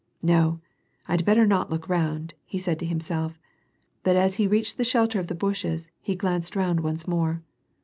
"No, Vd better not look round," he paid to himself, V>ut as he reached the shelter of the bushes, Ije fO'*^n('^d round once inore.